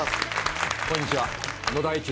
こんにちは。